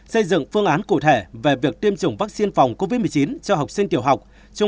xây dựng phương án cụ thể về việc tiêm chủng vaccine phòng covid một mươi chín cho học sinh tiểu học